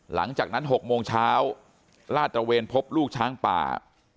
หลังจากนั้น๖โมงเช้าลาดตระเวนพบลูกช้างป่า